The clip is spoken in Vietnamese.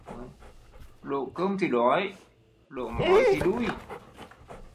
Đồ cơm thì đói, đổ mói thì đui